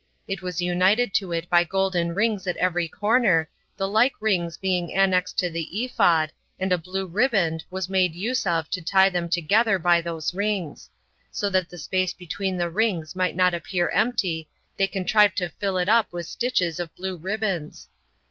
It was united to it by golden rings at every corner, the like rings being annexed to the ephod, and a blue riband was made use of to tie them together by those rings; and that the space between the rings might not appear empty, they contrived to fill it up with stitches of blue ribands.